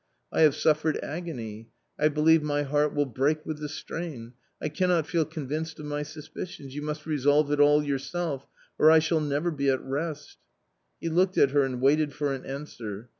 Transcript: I have suffered agony ; I believe my heart will break with the strain .... I cannot feel convinced of my suspicions ; you must resolve it all yourself, or I shall never be at rest." He looked at her and waited for an answer.